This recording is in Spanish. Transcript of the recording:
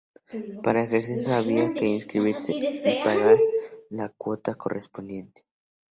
Para ejercerlo, había que inscribirse y pagar la cuota correspondiente.